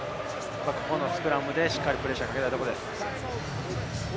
このスクラムでしっかりプレッシャーをかけたいところです。